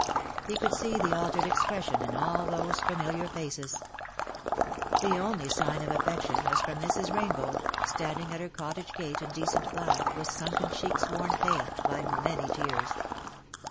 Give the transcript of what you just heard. He could see the altered expression in all those familiar faces. The only sign of affection was from Mrs. Rain bow, standing at her cottage gate in decent black, with sunken cheeks worn pale by many tears.